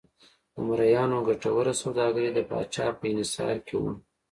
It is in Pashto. د مریانو ګټوره سوداګري د پاچا په انحصار کې وه.